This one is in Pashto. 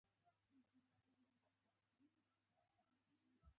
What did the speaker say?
کابل د مجاهدينو له لوري په کنډوالي بدل شو.